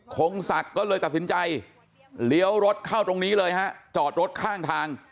คงศักดิ์ก็เลยตัดสินใจเลี้ยวรถเข้าตรงนี้เลยฮะจอดรถข้างทาง